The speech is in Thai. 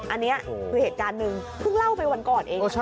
อันนี้คือเหตุการณ์หนึ่งเพิ่งเล่าไปวันก่อนเอง